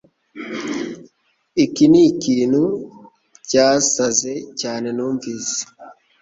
Iki nikintu cyasaze cyane numvise